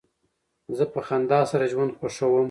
زه په خندا سره ژوند خوښوم.